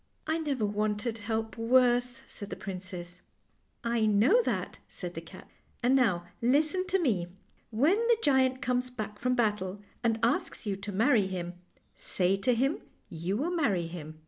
"" I never wanted help worse," said the princess. " I know that," said the cat; " and now listen to me. When the giant comes back from battle and asks you to marry him, say to him you will marry him."